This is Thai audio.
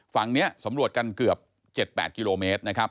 ฝั่งนี้สำรวจกันเกือบ๗๘กิโลเมตรนะครับ